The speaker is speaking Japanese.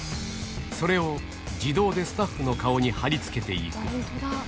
それを自動でスタッフの顔に張り付けていく。